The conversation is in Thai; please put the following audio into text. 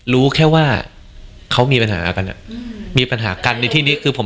รู้แค่ว่าเขามีปัญหากันอ่ะมีปัญหากันในที่นี้คือผม